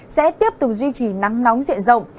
sẽ tiếp tục duy trì nắng nóng diện rộng